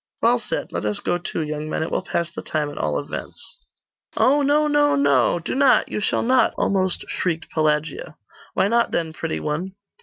'Well said. Let us go too, young men: it will pass the time, at all events.' 'Oh, no! no! no! do not! you shall not!' almost shrieked Pelagia. 'Why not, then, pretty one?